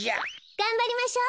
がんばりましょう。